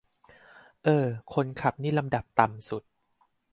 เอ้อ คนขับนี่ลำดับต่ำสุด